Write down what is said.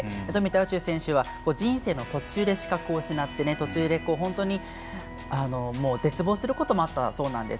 宇宙選手は人生の途中で視覚を失って途中で絶望することもあったそうなんです。